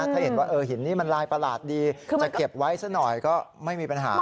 ถ้าเห็นว่าหินนี้มันลายประหลาดดีจะเก็บไว้ซะหน่อยก็ไม่มีปัญหา